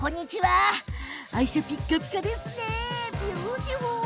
愛車は、ピカピカですね。